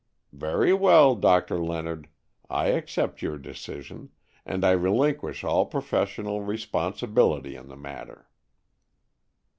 "Very well, Doctor Leonard, I accept your decision, and I relinquish all professional responsibility in the matter."